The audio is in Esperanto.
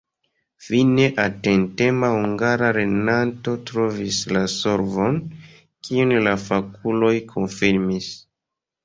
Fine atentema hungara lernanto trovis la solvon, kiun la fakuloj konfirmis.